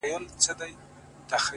o ياد مي دي تا چي شنه سهار كي ويل،